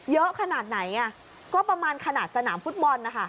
เยอะขนาดไหนก็ประมาณขนาดสนามฟุตบอลนะคะ